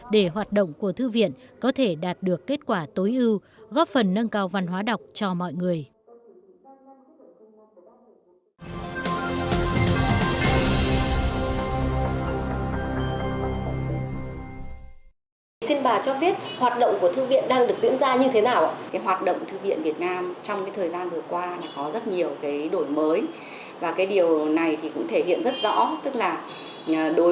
để hoạt động của thư viện có thể đạt được kết quả tối ưu góp phần nâng cao văn hóa đọc cho mọi người